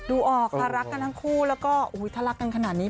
ดูออกค่ะรักกันทั้งคู่แล้วก็ถ้ารักกันขนาดนี้